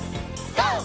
ＧＯ！